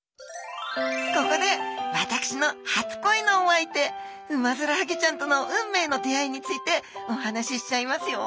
ここで私の初恋のお相手ウマヅラハギちゃんとの運命の出会いについてお話ししちゃいますよ！